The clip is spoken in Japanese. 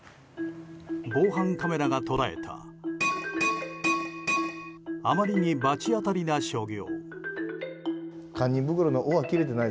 防犯カメラが捉えたあまりに罰当たりな所業。